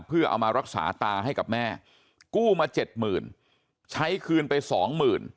เพื่อเอามารักษาตาให้กับแม่กู้มาเจ็ดหมื่นใช้คืนไปสองหมื่น